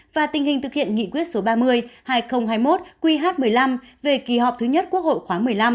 và tình hình thực hiện nghị quyết số ba mươi hai nghìn hai mươi một qh một mươi năm về kỳ họp thứ nhất quốc hội khoáng một mươi năm